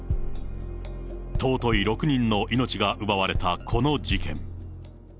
尊い６人の命が奪われたこの事件。